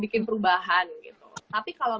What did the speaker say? bikin perubahan gitu tapi kalau